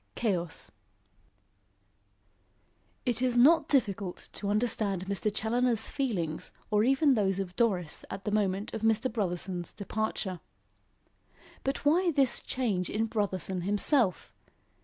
CHAOS It is not difficult to understand Mr. Challoner's feelings or even those of Doris at the moment of Mr. Brotherson's departure. But why this change in Brotherson himself?